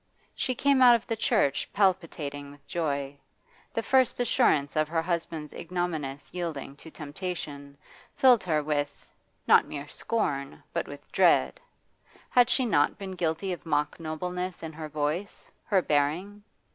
She came out of the church palpitating with joy; the first assurance of her husband's ignominious yielding to temptation filled her with, not mere scorn, but with dread. Had she not been guilty of mock nobleness in her voice, her bearing?